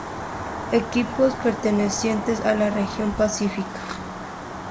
Equipos pertenecientes a la Región Pacífica.